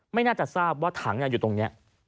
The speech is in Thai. ไม่น่าจะทราบว่าถังอยู่ตรงนี้